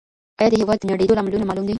آيا د هېواد د نړېدو لاملونه معلوم دي؟